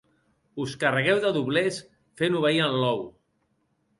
Us carregueu de doblers fent obeir en Lou.